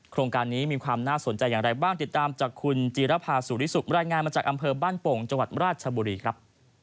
โครงการนี้มีความน่าสนใจอย่างไรบ้างติดตามจากคุณจีรภาสุริสุขรายงานมาจากอำเภอบ้านโป่งจังหวัดราชบุรีครับ